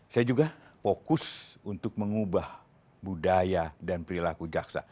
saya juga fokus untuk mengubah budaya dan perilaku jaksa